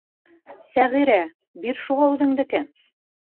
Сәғирә, бир шуға үҙеңдекен!